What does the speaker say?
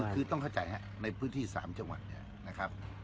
คือต้องเข้าใจครับในพื้นที่๓จังหวัดเนี่ยนะครับ